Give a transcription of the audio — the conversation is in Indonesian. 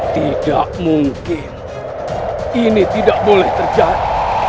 tidak mungkin ini tidak boleh terjadi